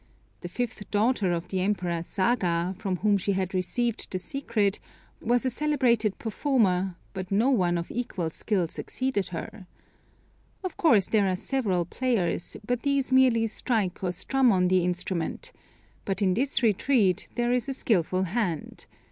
The fifth daughter of the Emperor Saga, from whom she had received the secret, was a celebrated performer, but no one of equal skill succeeded her. Of course there are several players, but these merely strike or strum on the instrument; but in this retreat there is a skilful hand.